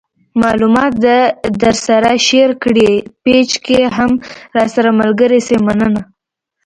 معلومات د درسره شیر کړئ پیج کې هم راسره ملګري شئ مننه